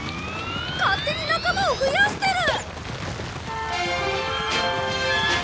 勝手に仲間を増やしてる！